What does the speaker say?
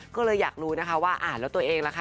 ก็เลยอยากรู้นะคะว่าอ่านแล้วตัวเองล่ะค่ะ